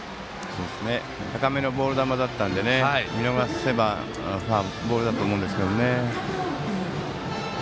高めのボール球だったので見逃せばボールだと思うんですが。